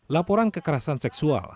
laporan kekerasan seksual